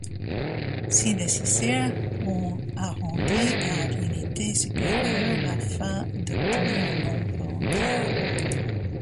Si nécessaire, on arrondit à l'unité supérieure Lafin d'obtenir un nombre entier.